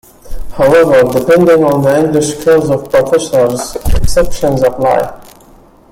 However, depending on the English skills of professors, exceptions apply.